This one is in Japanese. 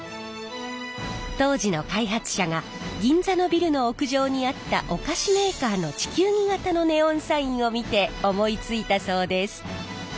当時の開発者が銀座のビルの屋上にあったお菓子メーカーの地球儀型のネオンサインを見て思いついたそうです。